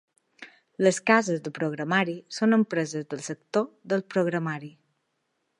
Les cases de programari són empreses del sector del programari.